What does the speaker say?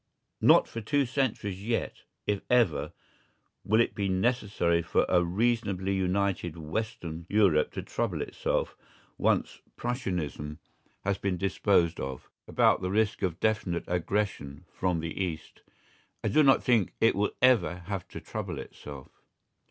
Not for two centuries yet, if ever, will it be necessary for a reasonably united Western Europe to trouble itself, once Prussianism has been disposed of, about the risk of definite aggression from the East. I do not think it will ever have to trouble itself.